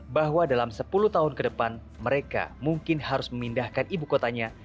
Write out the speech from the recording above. bahwa dalam sepuluh tahun ke depan mereka mungkin harus memindahkan ibu kotanya